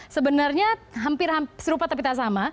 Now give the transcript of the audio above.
sebenarnya hampir hampir serupa tapi tak sama